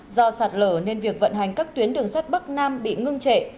do sạt lở nên việc vận hành các tuyến đường sắt bắc nam bị ngưng trệ